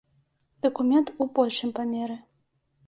Дакумент у большым памеры.